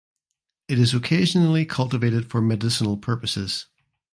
It is occasionally cultivated for medicinal purposes.